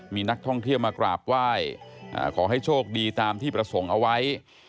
มีนักท่องเที่ยวมากราบไหว้ขอให้โชคดีตามที่ประสงค์เอาไว้